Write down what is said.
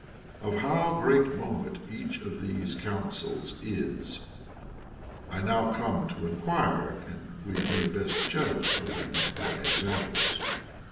Of how great moment each of these counsels is, I now come to inquire ; and we may best judge of them by examples.